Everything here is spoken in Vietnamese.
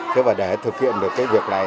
thế và để thực hiện được việc này